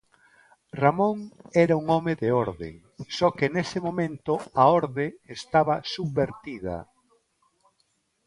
Ramón era un home de orde, só que nese momento a orde estaba subvertida.